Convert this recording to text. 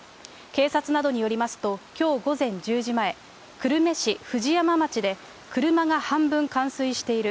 警察などによりますと、きょう午前１０時前、久留米市ふじやま町で、車が半分冠水している。